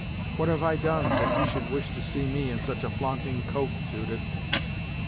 What have I done that you should wish to see me in such a flaunting coat, Judith?"